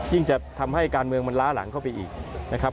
จะทำให้การเมืองมันล้าหลังเข้าไปอีกนะครับ